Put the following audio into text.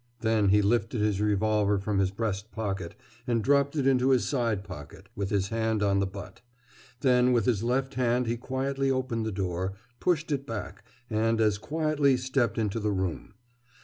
Then he lifted his revolver from his breast pocket and dropped it into his side pocket, with his hand on the butt. Then with his left hand he quietly opened the door, pushed it back, and as quietly stepped into the room.